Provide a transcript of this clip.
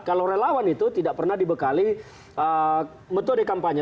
kalau relawan itu tidak pernah dibekali metode kampanye